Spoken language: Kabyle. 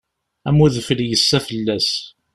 Am udfel yessa fell-as.